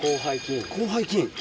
広背筋。